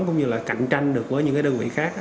cũng như là cạnh tranh được với những cái đơn vị khác